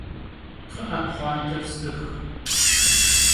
Kxhı'e, pxhuanter s'ıx!